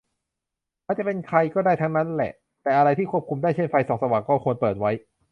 มันจะเป็นใครก็ได้ทั้งนั้นนั่นแหละ แต่อะไรที่ควบคุมได้ เช่นไฟส่องสว่าง ก็ควรเปิดไว้